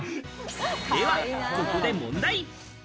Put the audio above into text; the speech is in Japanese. では、ここで問題。